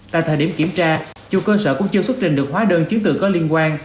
tại thời điểm kiểm tra chùa cơ sở cũng chưa xuất trình được hóa đơn chiến tự có liên quan